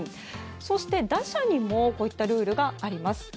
そして、打者にもこういったルールがあります。